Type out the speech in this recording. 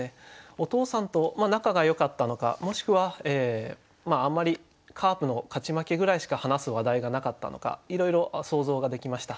お父さんと仲がよかったのかもしくはあんまりカープの勝ち負けぐらいしか話す話題がなかったのかいろいろ想像ができました。